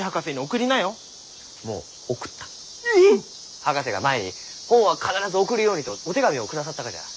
博士が前に本は必ず送るようにとお手紙を下さったがじゃ。